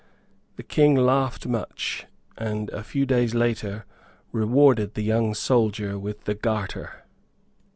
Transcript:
The King laughed much, and, a few days later, rewarded the young soldier with the Garter.